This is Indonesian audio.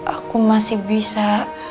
aku masih bisa